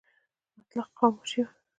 مطلق خاموشي وه .